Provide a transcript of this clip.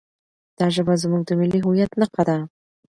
دا ژبه زموږ د ملي هویت نښه ده.